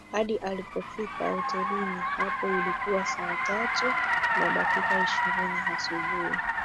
Hadi alipofika hotelini hapo ilikuwa saa tat una dakika ishirini asubuhi